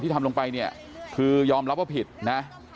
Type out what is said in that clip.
ทำลงไปเนี่ยคือยอมรับว่าผิดนะ